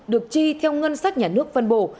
được chi theo ngân sách nhà nước phân bổ